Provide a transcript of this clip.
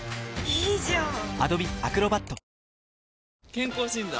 健康診断？